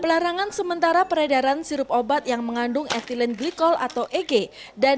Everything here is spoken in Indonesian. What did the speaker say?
pelarangan sementara peredaran sirup obat yang mengandung ethylene glycol atau eg dan